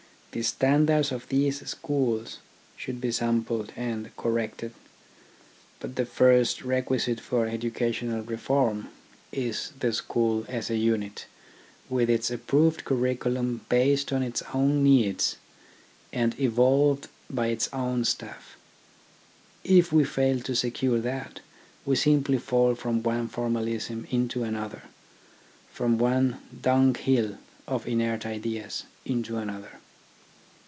The standards of these schools should be sampled and corrected. But the first THE AIMS OF EDUCATION 27 requisite for educational reform is the school as a unit, with its approved curriculum based on its own needs, and evolved by its own staff. If we fail to secure that, we simply fall from one formalism into another, from one dung hill of inert ideas into another.